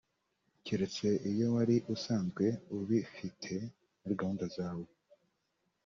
keretse iyo wari usanzwe ubifite muri gahunda zawe